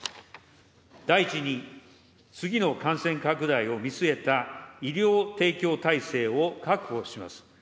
第１に次の感染拡大を見据えた医療提供体制を確保します。